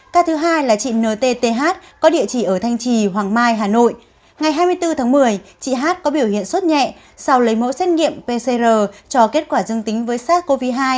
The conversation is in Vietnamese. ca thứ hai là chị ntth th có địa chỉ ở thanh trì hoàng mai hà nội ngày hai mươi bốn tháng một mươi chị h có biểu hiện suốt nhẹ sau lấy mẫu xét nghiệm pcr cho kết quả dương tính với sars cov hai